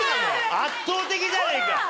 圧倒的じゃねえか！